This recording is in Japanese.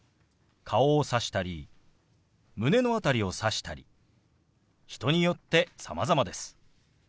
顔をさしたり胸の辺りをさしたり人によってさまざまです。